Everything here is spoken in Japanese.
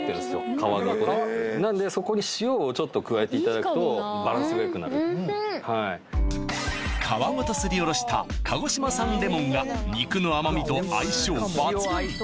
皮ごとなんでそこに塩をちょっと加えていただくとバランスがよくなるおいしいはい皮ごとすりおろした鹿児島産レモンが肉の甘みと相性抜群！